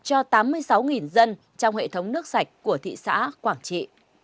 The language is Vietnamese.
cho tám mươi sáu dân trong hệ thống nước sạch của thị xã quảng trị